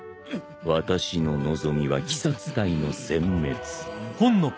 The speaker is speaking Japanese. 私の望みは鬼殺隊の殲滅。